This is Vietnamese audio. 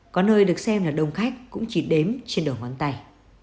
có nơi được xem là đông khách cũng chỉ đếm trên đầu ngón tay